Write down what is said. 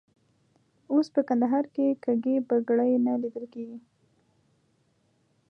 اوس په کندهار کې کږې بګړۍ نه لیدل کېږي.